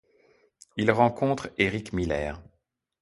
Il rencontre Éric Miller.